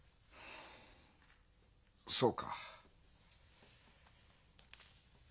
そうか。